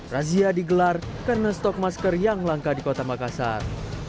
razia digelar karena stok masker yang langka di kota makassar